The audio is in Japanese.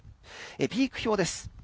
ピーク表です。